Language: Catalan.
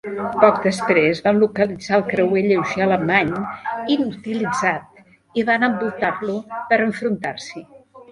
Poc després van localitzar el creuer lleuger alemany inutilitzat i van envoltar-lo per enfrontar-s'hi.